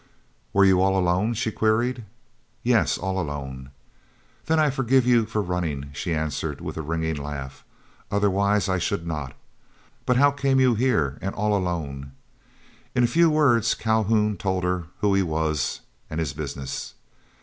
"Were you all alone?" she queried. "Yes, all alone." "Then I forgive you for running," she answered, with a ringing laugh, "otherwise I should not. But how came you here, and all alone?" In a few words Calhoun told her who he was and his business.